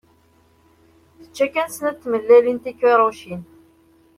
Tečča kan snat tmellalin tikiṛucin.